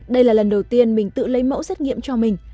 đây là lần đầu tiên mình tự lấy mẫu xét nghiệm cho mình